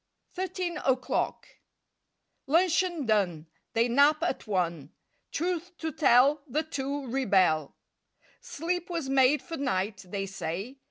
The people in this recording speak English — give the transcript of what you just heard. THIRTEEN O'CLOCK L uncheon done, ^ They nap at one; Truth to tell, The two rebel. Sleep was made for night, they say.